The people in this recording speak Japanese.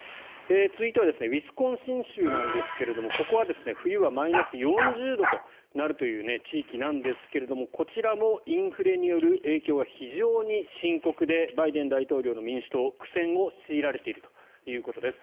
続いてはウィスコンシン州なんですがここは冬はマイナス４０度となるという地域なんですがこちらもインフレによる影響が非常に深刻でバイデン大統領の民主党苦戦を強いられているということです。